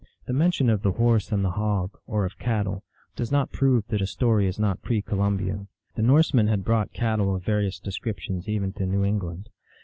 The mention of the horse and the hog. or of cattle, does not prove that a story is not pre Colum bian. The Norsemen had brought cattle of various descriptions even to New England.